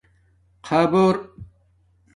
خَآبُو